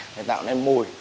thì tạo nên mùi